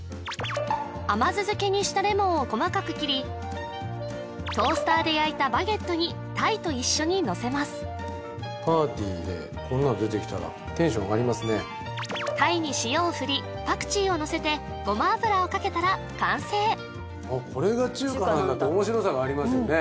甘酢漬けにしたレモンを細かく切りトースターで焼いたバゲットに鯛と一緒にのせます鯛に塩を振りパクチーをのせてごま油をかけたら完成あっこれが中華なんだって面白さがありますよね